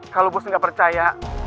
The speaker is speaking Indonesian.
kalau bos gak percaya